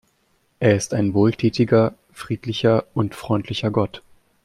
Er ist ein wohltätiger, friedlicher und freundlicher Gott.